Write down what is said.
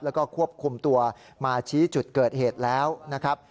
แล้วก็ควบคุมตัวมาชี้จุดเกิดเหตุแล้วนะครับ